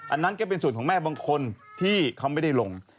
อันนั้นก็เป็นส่วนของแม่บางคนที่เขาไม่ได้ลง